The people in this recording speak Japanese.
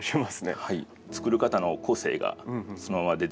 はい。